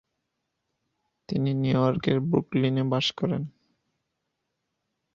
তিনি নিউ ইয়র্কের ব্রুকলিনে বাস করেন।